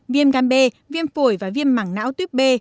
viêm gan b viêm phổi và viêm mảng não tuyếp b